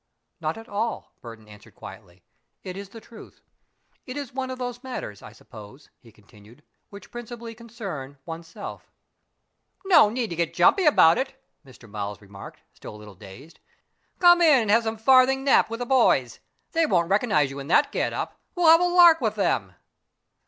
"Not at all," Burton answered quietly. "It is the truth. It is one of those matters, I suppose," he continued, "which principally concern oneself." "No need to get jumpy about it," Mr. Miles remarked, still a little dazed. "Come in and have some farthing nap with the boys. They won't recognize you in that get up. We'll have a lark with them."